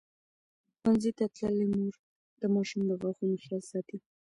ښوونځې تللې مور د ماشوم د غاښونو خیال ساتي.